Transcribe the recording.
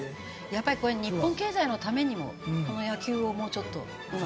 やっぱりこれ日本経済のためにもこの野球をもうちょっとうまく。